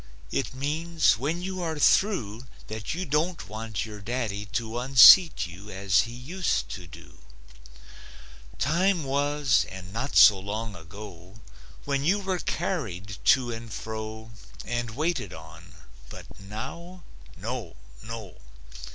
It means when you are through That you don't want your daddy to Unseat you, as he used to do. Time was, and not so long ago, When you were carried to and fro And waited on, but now? No! No!